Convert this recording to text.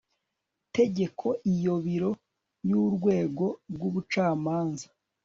tegeko iyo Biro y urwego rw ubucamanza